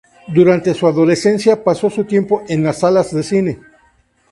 Durante su adolescencia, pasó su tiempo en salas de cine.